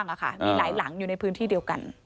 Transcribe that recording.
มีหลายหลังอยู่ในพื้นที่เดียวกัน